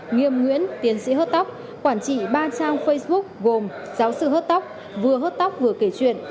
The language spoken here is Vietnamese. nghiêm nguyễn tiến sĩ hớt tóc quản trị ba trang facebook gồm giáo sư hớt tóc vừa hớt tóc vừa kể chuyện